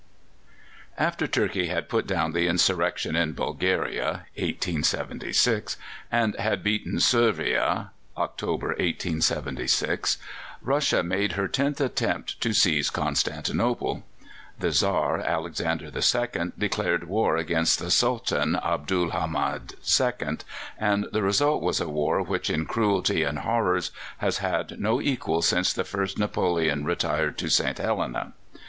After Turkey had put down the insurrection in Bulgaria (1876) and had beaten Servia (October, 1876), Russia made her tenth attempt to seize Constantinople. The Czar, Alexander II., declared war against the Sultan, Abdul Hamid II., and the result was a war which in cruelty and horrors has had no equal since the first Napoleon retired to St. Helena.